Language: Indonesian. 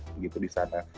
begitu di sana